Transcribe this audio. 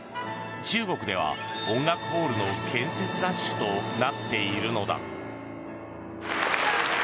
中国では音楽ホールの建設ラッシュとなっているのだ。